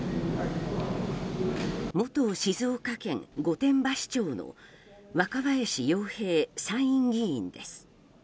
元静岡県御殿場市長の若林洋平参議院議員です。